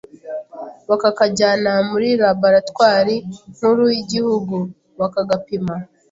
bakakajyana muri Laboratwari nkuru ry’igihugu bakagapima